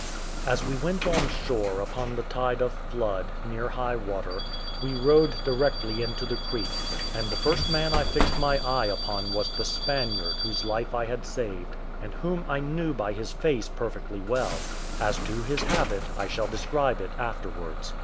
As we went on shore upon the tide of flood, near high water, we rowed directly into the creek; and the first man I fixed my eye upon was the Spaniard whose life I had saved, and whom I knew by his face perfectly well: as to his habit, I shall describe it afterwards.